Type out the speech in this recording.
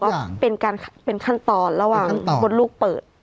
ก็เป็นการเป็นขั้นตอนระหว่างมดลูกเปิด